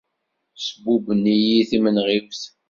Sbubben-iyi timenɣiwt.